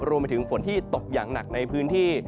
รวมไปถึงฝนที่ตกอย่างหนักในพื้นที่